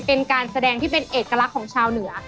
เป็นการแสดงที่เป็นเอกลักษณ์ของชาวเหนือ